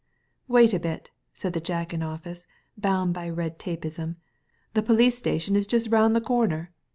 " Wait a bit !" said the jack in office, bound by red tapeism, "the police station is just roun' th' comer.